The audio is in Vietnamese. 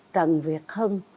trần việt hân